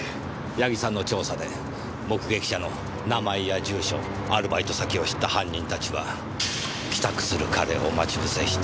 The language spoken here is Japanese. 矢木さんの調査で目撃者の名前や住所アルバイト先を知った犯人たちは帰宅する彼を待ち伏せして。